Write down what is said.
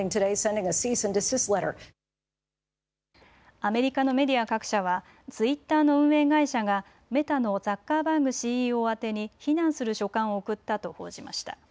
アメリカのメディア各社はツイッターの運営会社がメタのザッカーバーグＣＥＯ宛に非難する書簡を送ったと報じました。